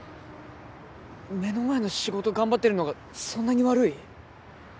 目の前の仕事頑張ってるのがそんなに悪い？